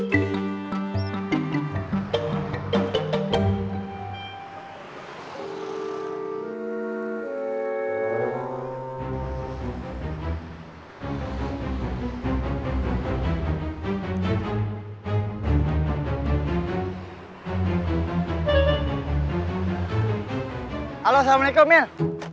halo assalamualaikum mil